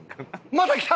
また来た！